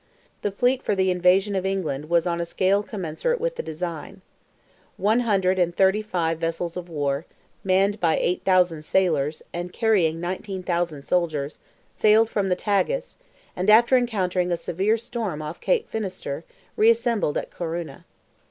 The fleet for the invasion of England was on a scale commensurate with the design. One hundred and thirty five vessels of war, manned by 8,000 sailors, and carrying 19,000 soldiers, sailed from the Tagus, and after encountering a severe storm off Cape Finesterre, re assembled at Corunna.